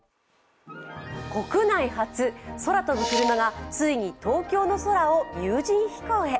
国内初、空飛ぶクルマがついに東京の空を有人飛行へ。